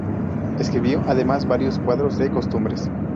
Escribió además varios cuadros de costumbres.